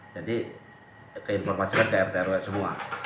jadi keinformasikan ke rtrw semua